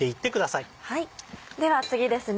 では次ですね。